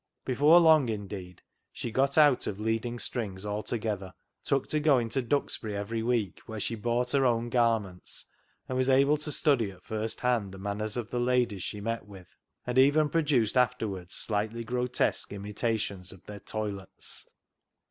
Before long, indeed, she got out of leading strings altogether, took to going to Duxbury every week, where she bought her own gar ments, and was able to study at first hand the manners of the ladies she met with, and even produced afterwards slightly grotesque imita tions of their toilets.